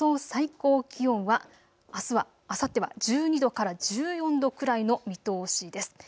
最高気温はあさっては１２度から１４度くらいの見通しです。